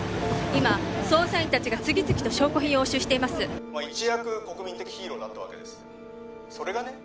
今捜査員達が次々と証拠品を押収しています一躍国民的ヒーローだったわけですそれがね